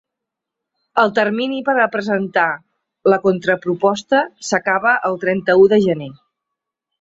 El termini per a presentar la contraproposta s’acaba el trenta-u de gener.